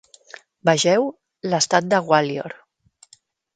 "Vegeu: l'estat de Gwalior"